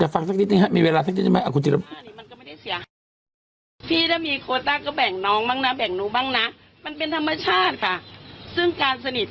จะฟังสักนิดนึงค่ะมีเวลาสักนิดนึงอ่ะคุณจิ๊บ